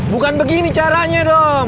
bukan begini caranya dong